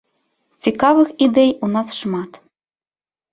Цікавых ідэй у нас шмат.